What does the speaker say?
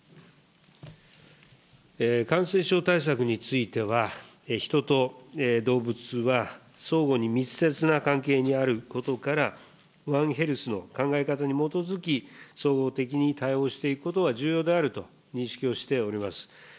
感染症対策については、人と動物は相互に密接な関係にあることから、ワンヘルスの考え方に基づき、総合的に対応していくことが重要であると認識をしております。